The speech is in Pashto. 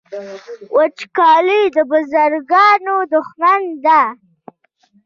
وچکالي د بزګرانو دښمن ده